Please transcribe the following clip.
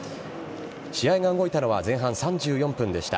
試合が動いたのは前半３４分でした。